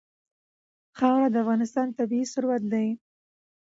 خاوره د افغانستان طبعي ثروت دی.